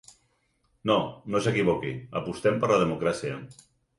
No no s’equivoqui, apostem per la democràcia.